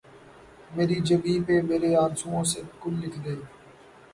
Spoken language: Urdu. مری جبیں پہ مرے آنسوؤں سے کل لکھ دے